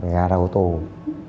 gần khu vực bãi xe